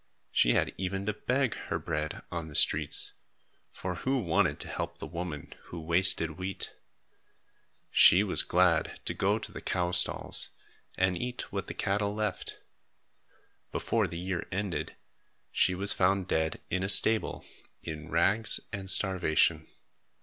She had even to beg her bread on the streets; for who wanted to help the woman who wasted wheat? She was glad to go to the cow stalls, and eat what the cattle left. Before the year ended, she was found dead in a stable, in rags and starvation.